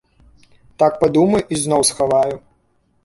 Так падумаю і зноў схаваю.